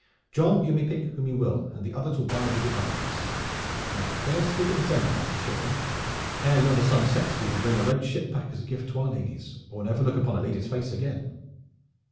John, you may pick whom you will and the others will bide with the archers. Now bear straight at the center, master shipman. Ere yonder sun sets we will bring a red ship back as a gift to our ladies, or never look upon a lady's face again."